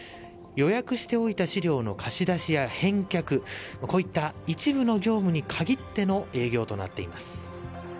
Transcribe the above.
予約しておいた資料の貸し出しや返却こういった一部の業務に限っての営業となっています。